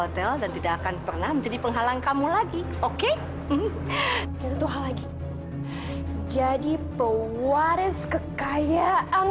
hotel dan tidak akan pernah menjadi penghalang kamu lagi oke ini tuh hal lagi jadi pewaris kekayaan